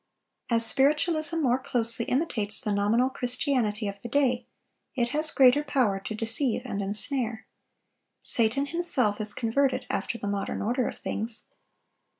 As Spiritualism more closely imitates the nominal Christianity of the day, it has greater power to deceive and ensnare. Satan himself is converted, after the modern order of things.